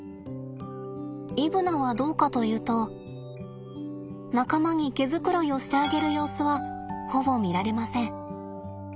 イブナはどうかというと仲間に毛繕いをしてあげる様子はほぼ見られません。